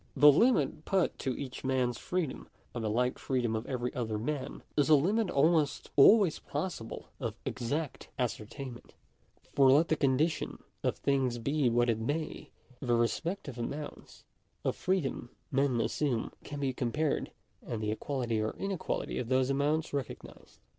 The limit put to each man's freedom, by the like freedom of every other man, is a limit almost always possible of exact ascertainment ; for let the con dition of things be what it may, the respective amounts of freedom men assume can be compared, and the equality or inequality of those amounts recognised.